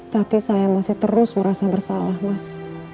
tapi saya masih terus merasa bersalah mas